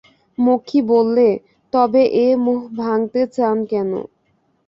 মক্ষী বললে, তবে এ মোহ ভাঙতে চান কেন?